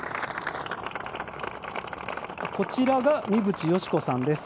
こちらが三淵嘉子さんです。